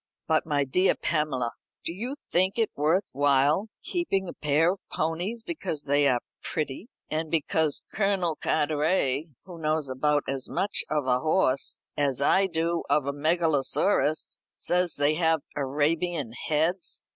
"But, my dear Pamela, do you think it worth while keeping a pair of ponies because they are pretty, and because Colonel Carteret, who knows about as much of a horse as I do of a megalosaurus says they have Arabian heads?